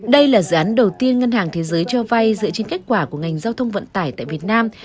đây là dự án đầu tiên ngân hàng thế giới cho vay dựa trên kết quả của ngành giao thông vận tải tại việt nam